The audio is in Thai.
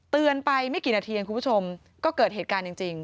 เตือนไปไม่กี่นาทีคุณผู้ชมก็เกิดเหตุการณ์จริง